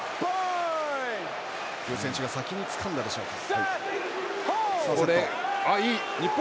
具選手が先につかんだでしょうか。